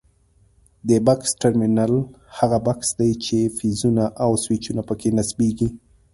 د بکس ټرمینل هغه بکس دی چې فیوزونه او سویچونه پکې نصبیږي.